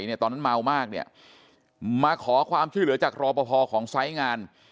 สงสัยเนี่ยตอนนั้นเมามากเนี่ยมาขอความชื่อเหลือจากรอพอพอของทรายงาน